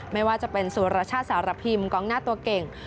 ไม่ว่าจะเป็นสุรชาติสารพิมกองหน้าตัวเก่ง